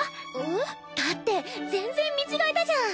えっ？だって全然見違えたじゃん。